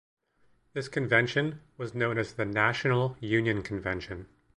This convention was known as the National Union Convention.